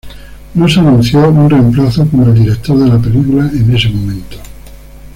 No se anunció un reemplazo como el director de la película en ese momento.